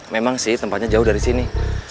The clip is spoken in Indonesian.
memang sih tempatnya jauh dari sini